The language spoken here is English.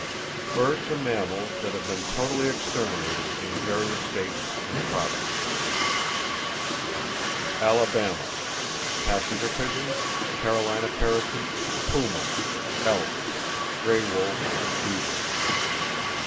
Birds And Mammals That Have Been Totally Exterminated In Various States And Provinces Alabama: Passenger pigeon, Carolina parrakeet; puma, elk, gray wolf, beaver.